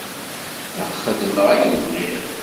Ad xedmeɣ ayen bɣiɣ.